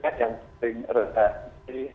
kita yang sering erotasi